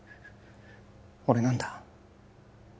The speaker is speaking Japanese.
俺なんだ